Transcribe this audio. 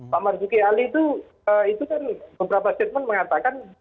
pak marzuki ali itu itu kan beberapa statement mengatakan